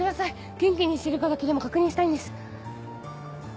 元気にしてるかだけでも確認したいんです。